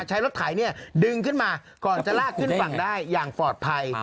ใช้รถไถดึงขึ้นมาก่อนจะลากขึ้นฝั่งได้อย่างปลอดภัย